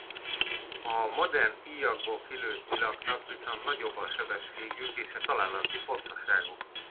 A modern íjakból kilőtt nyilaknak viszont nagyobb a sebességük és a találati pontosságuk.